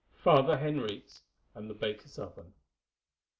FATHER HENRIQUES AND THE BAKER'S OVEN.